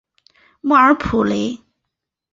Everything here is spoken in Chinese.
莫尔普雷。